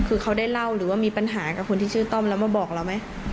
คือเขาได้เล่าหรือว่ามีปัญหากับคนที่ชื่อต้อมแล้วมาบอกเราไหม